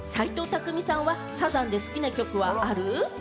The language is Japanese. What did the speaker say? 齊藤工さんはサザンで好きな曲はある？